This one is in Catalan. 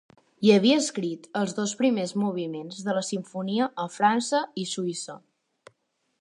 Hi havia escrit els dos primers moviments de la simfonia a França i Suïssa.